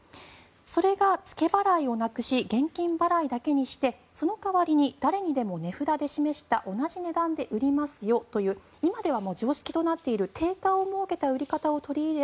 それが付け払いをなくし現金払いだけにしてその代わりに誰にでも値札で示した同じ値段で売りますよという今では常識となっている定価を設けた売り方を取り入れ